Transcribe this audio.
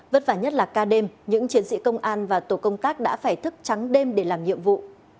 vất vả nhất là ca đêm những chiến sĩ công an và tổ công tác đã phải thức trắng đêm để làm nhiệm vụ